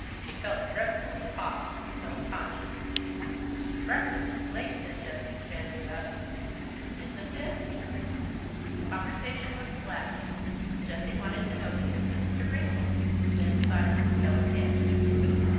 He felt dreadfully hot and self conscious. "Breakfast is late," said Jessie, standing up. "Isn't it?" Conversation was slack. Jessie wanted to know the distance to Ringwood. Then silence fell again.